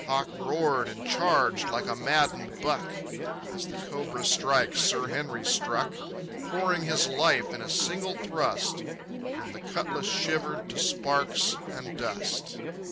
Hawk roared and charged like a maddened buck. As the cobra strikes, Sir Henry struck, Pouring his life in a single thrust, And the cutlass shivered to sparks and dust.